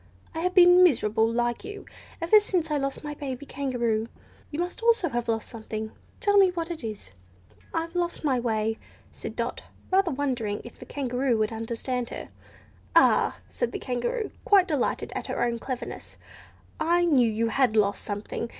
I have been miserable, like you, ever since I lost my baby Kangaroo. You also must have lost something. Tell me what it is?" "I've lost my way," said Dot; rather wondering if the Kangaroo would understand her. "Ah!" said the Kangaroo, quite delighted at her own cleverness, "I knew you had lost something!